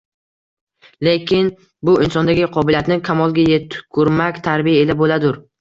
Lekin bu insondagi qobiliyatni kamolga yetkurmak tarbiya ila bo’ladur